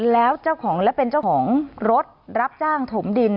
แล้วเจ้าของและเป็นเจ้าของรถรับจ้างถมดิน